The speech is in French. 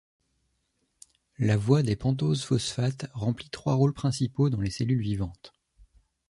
La voie des pentoses phosphate remplit trois rôles principaux dans les cellules vivantes.